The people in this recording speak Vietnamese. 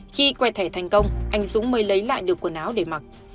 khi què thẻ thành công anh dũng mới lấy lại được quần áo để mặc